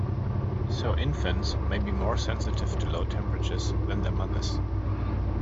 So infants may be more sensitive to low temperatures than their mothers.